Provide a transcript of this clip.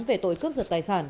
về tội cướp giật tài sản